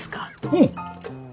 うん。